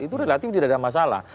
itu relatif tidak ada masalah